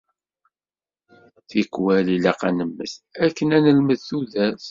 tikwal ilaq ad nemmet, akken ad nelmed tudert.